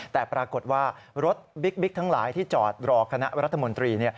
แต่ปรากฏว่ารถบิ๊กทั้งหลายที่จอดรอคณะรัฐมนตรี